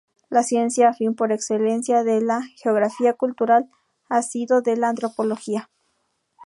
La ciencia afín por excelencia de la geografía cultural ha sido la antropología.